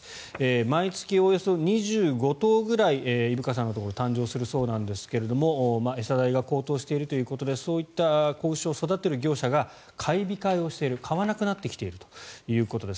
毎月およそ２５頭くらい伊深さんのところは誕生するそうなんですが餌代が高騰しているということでそういった子牛を育てる業者が買い控えをしている買わなくなってきているということです。